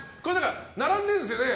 並んでいるんですよね。